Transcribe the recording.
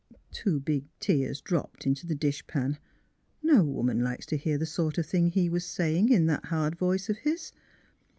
Two big tears dropped into the dishpan. No woman likes to hear the sort of thing he was say ing in that hard voice of his.